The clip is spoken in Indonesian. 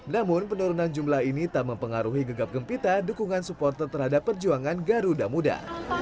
namun penurunan jumlah ini tak mempengaruhi gegap gempita dukungan supporter terhadap perjuangan garuda muda